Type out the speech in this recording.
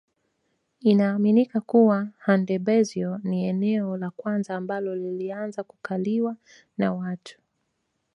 Inaaminika kuwa Handebezyo ni eneo la kwanza ambalo lilianza kukaliwa na watu